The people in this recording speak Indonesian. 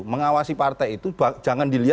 bahwa ketikahyokon echtih ya